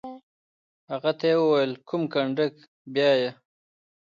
هغه ته یې وویل: کوم کنډک؟ بیا یې.